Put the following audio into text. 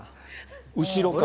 後ろから。